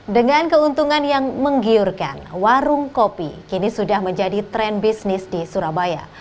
dengan keuntungan yang menggiurkan warung kopi kini sudah menjadi tren bisnis di surabaya